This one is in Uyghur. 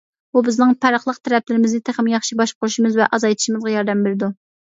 بۇ بىزنىڭ پەرقلىق تەرەپلىرىمىزنى تېخىمۇ ياخشى باشقۇرۇشىمىز ۋە ئازايتىشىمىزغا ياردەم بېرىدۇ.